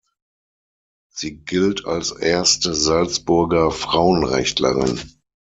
Sie gilt als erste Salzburger Frauenrechtlerin.